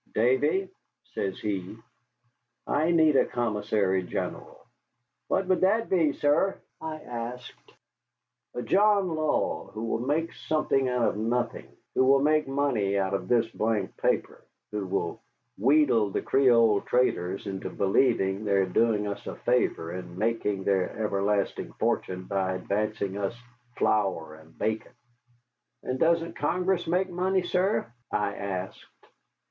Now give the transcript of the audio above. "Davy," says he, "I need a commissary general." "What would that be, sir," I asked. "A John Law, who will make something out of nothing, who will make money out of this blank paper, who will wheedle the Creole traders into believing they are doing us a favor and making their everlasting fortune by advancing us flour and bacon." "And doesn't Congress make money, sir?" I asked.